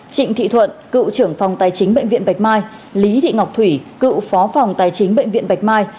trịnh thị thuận cựu trưởng phòng tài chính bệnh viện bạch mai lý thị ngọc thủy cựu phó phòng tài chính bệnh viện bạch mai